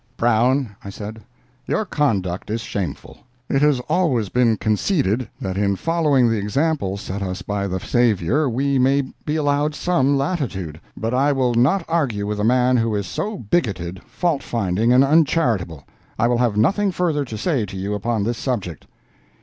"Brown," I said, "your conduct is shameful. It has always been conceded that in following the example set us by the Savior we may be allowed some latitude. But I will not argue with a man who is so bigoted, fault finding and uncharitable. I will have nothing further to say to you upon this subject."